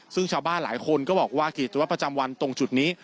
ซึ่งชาวบ้านหลายคนก็บอกว่ากิจวัตประจำวันตรงจุดนี้